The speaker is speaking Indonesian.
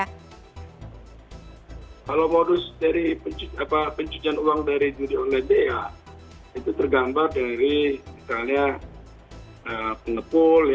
kalau modus dari pencucian uang dari judi online itu ya itu tergambar dari misalnya pengepul